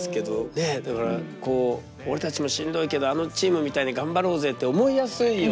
ねえだからこう俺たちもしんどいけどあのチームみたいに頑張ろうぜって思いやすいような気がするんだよね。